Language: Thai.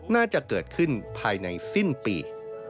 น่าจะเกิดขึ้นภายในสิ้นปี